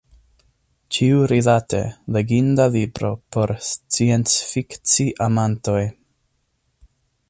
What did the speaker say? Ĉiurilate: leginda libro, por sciencfikci-amantoj.